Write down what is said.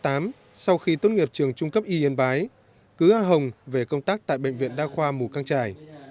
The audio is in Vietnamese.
năm một nghìn chín trăm tám mươi tám sau khi tốt nghiệp trường trung cấp y yên bái cứ a hồng về công tác tại bệnh viện đa khoa mù căng trải